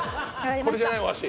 これじゃないお箸。